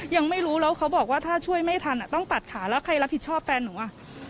ยังไม่รู้แล้วเขาบอกว่าถ้าช่วยไม่ทันต้องตัดขาแล้วใครรับผิดชอบแฟนหนูอ่ะ